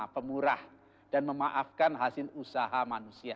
pemurah dan memaafkan hasil usaha